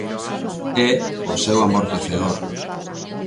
É o seu amortecedor.